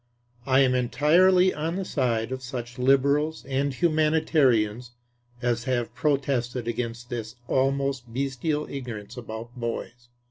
I am entirely on the side of such liberals and humanitarians as have protested against this almost bestial ignorance about boys.